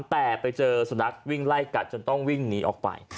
แต่ไปเจอสุนัขวิ่งไล่กัดจนต้องวิ่งหนีออกไป